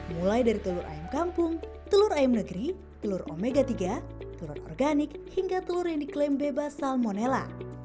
mulai dari telur ayam kampung telur ayam negeri telur omega tiga telur organik hingga telur yang diklaim bebas salmonella